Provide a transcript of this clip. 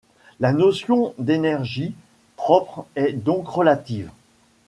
La notion d'énergie propre est donc relative.